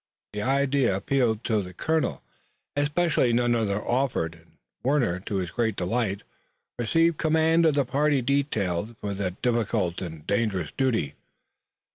The idea appealed to the colonel, especially as none other offered, and Warner, to his great delight, received command of the party detailed for the difficult and dangerous duty.